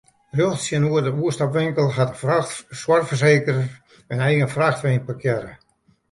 Rjocht tsjinoer de oerstapwinkel hat de soarchfersekerder in eigen frachtwein parkearre.